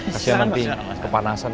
kasian nanti kepanasan